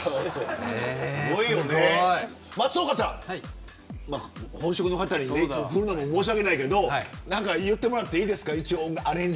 松岡さん、本職の方に振るのも申し訳ないけど何か言ってもらっていいですか。